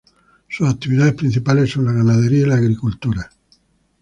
Sus actividades principales son la ganadería y la agricultura.